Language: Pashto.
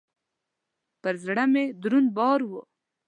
پر زړه مي دروند بار و .